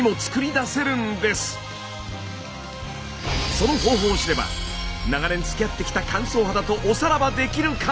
その方法を知れば長年つきあってきた乾燥肌とおさらばできるかも！